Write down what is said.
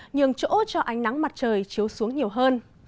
nhường chỗ cho ánh nắng mặt trời chiếu xuống nhiều hơn